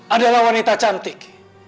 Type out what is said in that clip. adalah wanita cantik